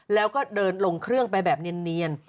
แล้วก็เดินลงเครื่องไปแบบเนียน